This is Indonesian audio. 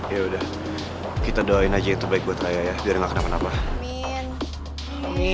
yaudah kita doain aja yang terbaik buat raya ya biar gak kena kenapa kenapa